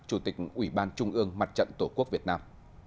chủ tịch ủy ban trung ương mặt trận tổ quốc việt nam